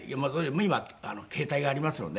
今携帯がありますのでね